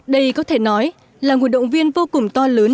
đây có thể nói là nguồn động viên vô cùng to lớn